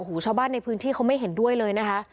ชาวบ้านในพื้นที่เขาไม่เห็นด้วยเลยนะคะ